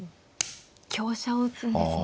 香車を打つんですね。